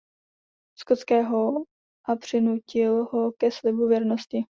Skotského a přinutil ho ke slibu věrnosti.